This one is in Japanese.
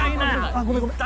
あっごめんごめん。